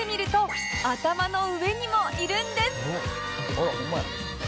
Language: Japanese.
「あらホンマや」